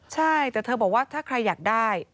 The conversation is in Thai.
ใช่แต่เธอบอกว่าถ้าใครอยากได้